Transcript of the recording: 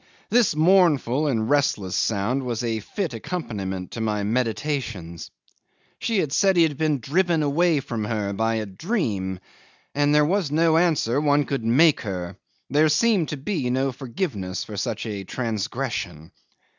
'This mournful and restless sound was a fit accompaniment to my meditations. She had said he had been driven away from her by a dream, and there was no answer one could make her there seemed to be no forgiveness for such a transgression.